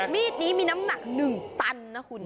มีดนี้มีน้ำหนัก๑ตันนะคุณ